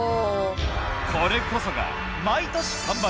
これこそが毎年完売。